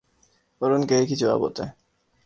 اور ان کا ایک ہی جواب ہوتا ہے